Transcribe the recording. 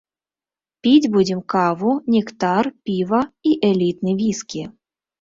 Піць будзем каву, нектар, піва і элітны віскі.